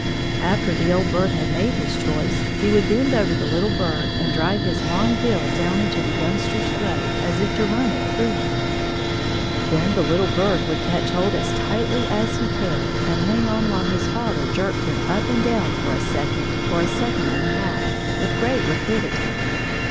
After the old bird had made his choice, he would bend over the little bird and drive his long bill down the youngster's throat as if to run it through him. Then the little bird would catch hold as tightly as he could and hang on while his father jerked him up and down for a second or a second and a half with great rapidity.